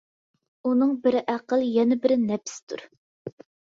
ئۇنىڭ بىرى ئەقىل، يەنە بىرى نەپستۇر.